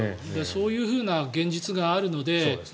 そういうふうな現実があるので。